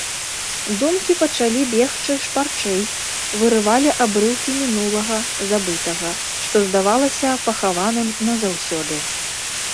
Думкі пачалі бегчы шпарчэй, вырывалі абрыўкі мінулага, забытага, што здавалася пахаваным назаўсёды.